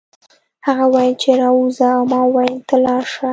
هغه وویل چې راوځه او ما وویل ته لاړ شه